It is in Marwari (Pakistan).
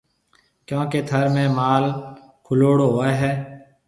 ڪيونڪہ ٿر ۾ مال کُليوڙو ھوئيَ ھيََََ